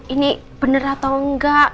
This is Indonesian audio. ini bener atau enggak